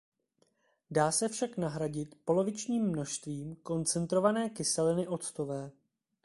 Dá se však nahradit polovičním množstvím koncentrované kyseliny octové.